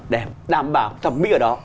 để đảm bảo thẩm mỹ ở đó